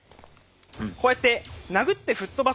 こうやって殴ってふっ飛ばす。